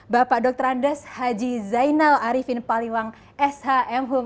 bapak dr andes haji zainal arifin paliwang shmhum